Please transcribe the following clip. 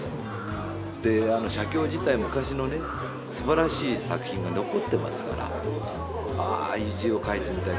そして写経自体昔のすばらしい作品が残ってますから「あああいう字を書いてみたい